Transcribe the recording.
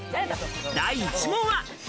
第１問は。